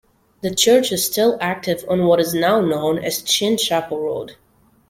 The church is still active on what is now known as Chinn Chapel Road.